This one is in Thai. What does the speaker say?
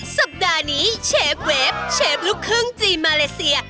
สัปดาห์นี้เชฟเวฟเชฟลูกครึ่งจีนมาเลเซีย